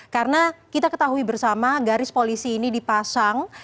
karena kita ketahui bersama garis polisi ini dipasang